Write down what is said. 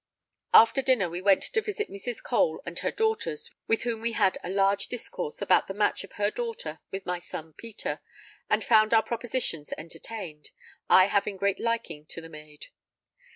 After dinner we went to visit Mrs. Cole and her daughters, with whom we had large discourse about the match of her daughter with my son Peter, and found our propositions entertained, I having great liking to the maid.